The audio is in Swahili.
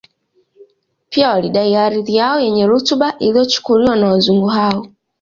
Pia walidai ardhi yao yenye rutuba iliyochukuliwa na Wazungu hao